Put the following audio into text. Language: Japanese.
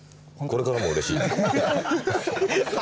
これからもうれしい。